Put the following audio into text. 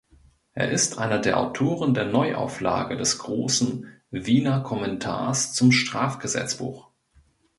Er ist einer der Autoren der Neuauflage des großen "Wiener Kommentars zum Strafgesetzbuch".